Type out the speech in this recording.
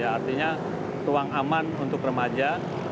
artinya ruang aman untuk remaja